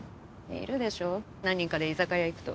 いるでしょ何人かで居酒屋行くと。